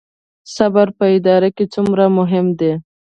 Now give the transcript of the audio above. صبر په اداره کې څومره مهم دی؟